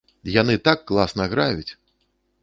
Яны так класна граюць!